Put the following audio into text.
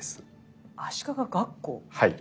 はい。